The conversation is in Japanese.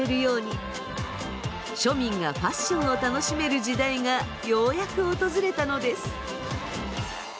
庶民がファッションを楽しめる時代がようやく訪れたのです。